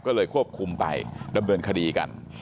ก็เลยควบคุมไปดำเนินคดีกัน